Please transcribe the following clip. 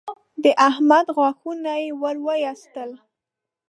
د احمد غاښونه يې ور واېستل